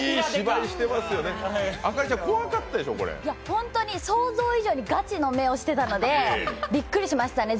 本当に想像以上にガチの目をしていたのでびっくりしましたね。